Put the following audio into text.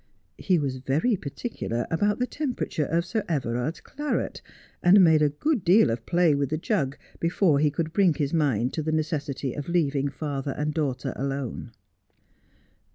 He was very particular about the temperature of Sir Everard's claret, and made a good deal of play with the jug before he could bring his mind to the necessity of leaving father and daughter alone.